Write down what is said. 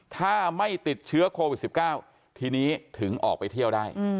ถ้าไม่ติดเชื้อโควิด๑๙ทีนี้ถึงออกไปเที่ยวได้